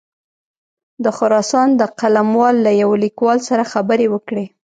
د خراسان د قلموال له یوه لیکوال سره خبرې وکړې.